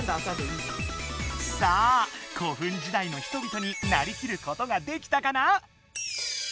さあ古墳時代の人々になりきることができたかな？